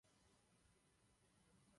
Album se stalo číslem jedna v Libanonu.